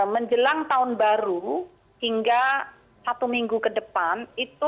menjelang tahun baru hingga satu minggu ke depan